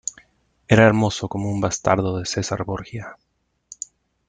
era hermoso como un bastardo de César Borgia .